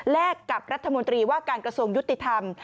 กับรัฐมนตรีว่าการกระทรวงยุติธรรม